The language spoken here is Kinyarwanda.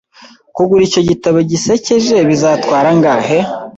Kugura icyo gitabo gisekeje bizatwara angahe?